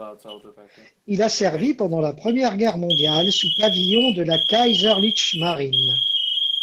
Il a servi pendant la Première Guerre mondiale sous pavillon de la Kaiserliche Marine.